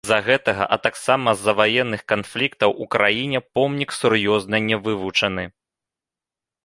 З-за гэтага, а таксама з-за ваенных канфліктаў у краіне помнік сур'ёзна не вывучаны.